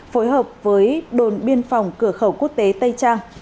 phối hợp với đồn biên phòng cửa khẩu quốc tế tây trang